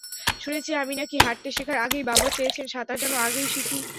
শুনেছি আমি নাকি হাঁটতে শেখার আগেই বাবা চেয়েছেন সাঁতার যেন আগেই শিখি।